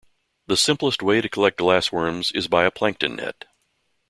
The simplest way to collect glassworms is by a plankton net.